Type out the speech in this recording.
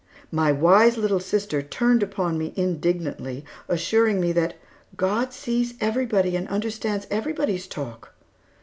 My wise little sister turned upon me indignantly, assuring me that "God sees everybody and understands everybody's talk."